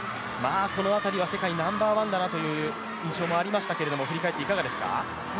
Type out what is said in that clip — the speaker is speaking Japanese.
この辺りは世界ナンバーワンだなという印象もありましたけれども、振り返っていかがですか？